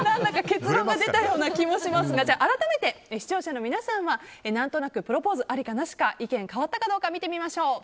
結論出たような気がしますが改めて、視聴者の皆さんは何となくプロポーズありかなしか意見変わったかどうか見てみましょう。